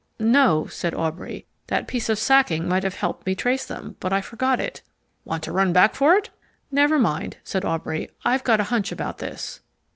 "No," said Aubrey. "That piece of sacking might have helped me trace them, but I forgot it." "Want to run back for it?" "Never mind," said Aubrey. "I've got a hunch about this."